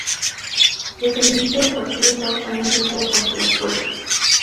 Desde el inicio del partido, Estados Unidos estuvo contra las cuerdas.